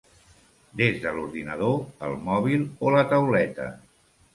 Des de l'ordinador, el mòbil o la tauleta.